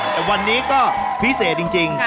แต่วันนี้ก็พิเศษจริง